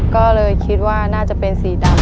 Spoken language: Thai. ก็เลยคิดว่าน่าจะเป็นสีดำ